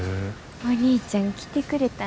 お兄ちゃん来てくれたんやな。